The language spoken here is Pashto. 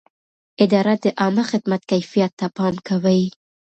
اداره د عامه خدمت کیفیت ته پام کوي.